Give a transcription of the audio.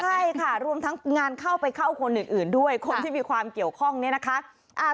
ใช่ค่ะรวมทั้งงานเข้าไปเข้าคนอื่นด้วยคนที่มีความเกี่ยวข้องเนี่ยนะคะ